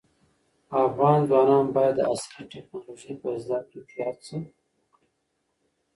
افغان ځوانان باید د عصري ټیکنالوژۍ په زده کړه کې هڅه وکړي.